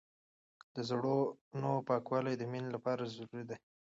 د زړونو پاکوالی د مینې لپاره ضروري دی.